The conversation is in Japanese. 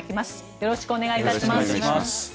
よろしくお願いします。